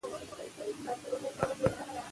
نورستان د افغانستان د بڼوالۍ برخه ده.